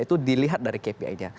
itu dilihat dari kpi nya